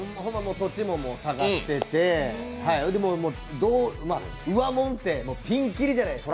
土地も探してて上物ってピンキリじゃないですか。